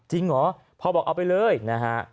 เหรอพ่อบอกเอาไปเลยนะฮะ